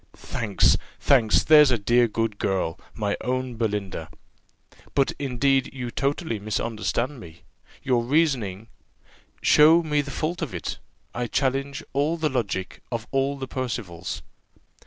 "Thanks! thanks! there's a dear good girl! my own Belinda!" "But indeed you totally misunderstand me; your reasoning " "Show me the fault of it: I challenge all the logic of all the Percivals."